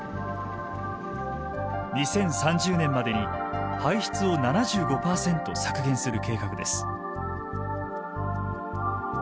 ２０３０年までに排出を７５％削減する計画です。